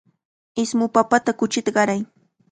Ismu papata kuchita qaray.